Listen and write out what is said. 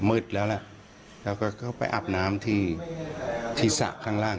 มืดแล้วล่ะแล้วก็เข้าไปอาบน้ำที่ที่สระข้างล่าง